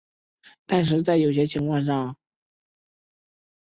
但是在有些情况上并不能总是达到这种理想的效果。